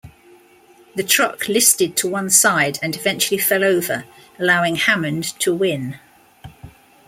The truck listed to one side and eventually fell over, allowing Hammond to win.